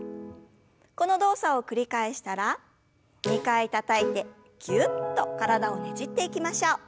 この動作を繰り返したら２回たたいてぎゅっと体をねじっていきましょう。